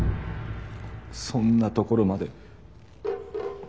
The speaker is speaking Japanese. そんなところまで。